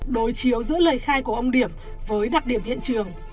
đối chiếu giữa lời khai của ông điểm với đặc điểm hiện trường